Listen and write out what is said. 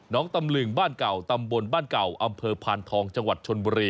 ตำลึงบ้านเก่าตำบลบ้านเก่าอำเภอพานทองจังหวัดชนบุรี